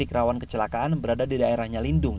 titik rawan kecelakaan berada di daerahnya lindung